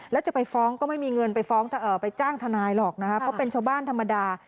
แล้วจะไปฟ้องก็ไม่มีเงินไปฟ้องไปจ้างทนายหรอกนะคะเพราะเป็นชาวบ้านธรรมดา